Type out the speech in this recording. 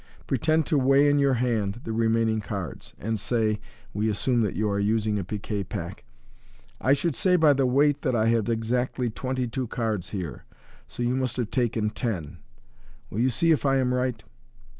Pretend to weigh in your hand the remaining cards, and say (we assume that you are using a piquet pack), " I should say by the weight that I have exactly twenty two cards here, so you must have taken ten. Will you see if I am right